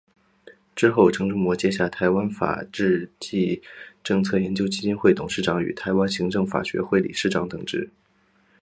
之后城仲模接下台湾法治暨政策研究基金会董事长与台湾行政法学会理事长等职。